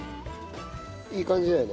いい感じだよね。